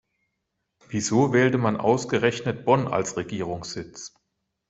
Wieso wählte man ausgerechnet Bonn als Regierungssitz?